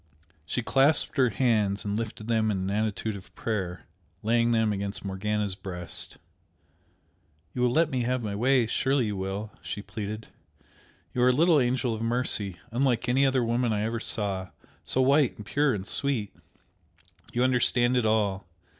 She clasped her hands and lifted them in an attitude of prayer, laying them against Morgana's breast. "You will let me have my way surely you will?" she pleaded "You are a little angel of mercy, unlike any other woman I ever saw so white and pure and sweet! you understand it all!